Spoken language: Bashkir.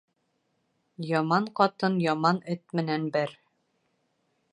Яман ҡатын яман эт менән бер.